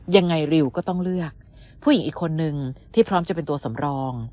ยังไงริวก็ต้องเลือกผู้หญิงอีกคนนึงที่พร้อมจะเป็นตัวสำรอง